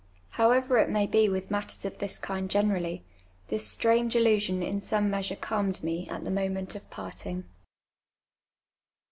However it may be with nuitters of this kind p 'nerally, this stranj^e illusion in some meu.surc cahned me at the mon'ient of parting.